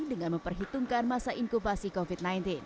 dengan memperhitungkan masa inkubasi covid sembilan belas